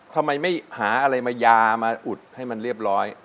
ทำไมไม่หาอะไรมายามาอุดให้มันเรียบร้อย